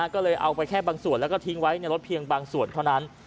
ก็เลยเอาไปแค่บางส่วนแล้วก็ทิ้งไว้ในรถเพียงบางส่วนเท่านั้น